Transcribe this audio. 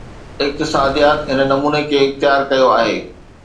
اقتصاديات هن نموني کي اختيار ڪيو آهي.